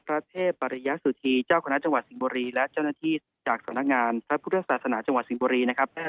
พระเทพศ์บรรยสุธีเจ้าคณะจังหวัดศิกบุรีและเจ้าหน้าที่จากสถานการม์ประภุทธศาสนาจังหวัดศิกบุรี